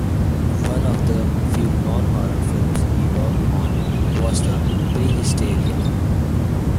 One of the few non-horror films he worked on was the Prehysteria!